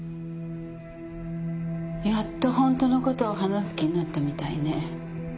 やっと本当の事を話す気になったみたいね。